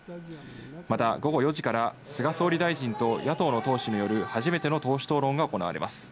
また午後４時から菅総理大臣と野党の党首による初めての党首討論が行われます。